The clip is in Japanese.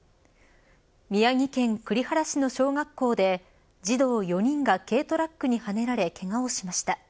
宮城県栗原市の小学校で児童４人が軽トラックにはねられけがをしました。